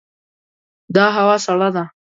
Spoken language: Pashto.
دا هوا سړه ده.